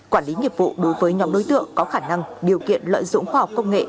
quản lý nghiệp vụ đối với nhóm đối tượng có khả năng điều kiện lợi dụng khoa học công nghệ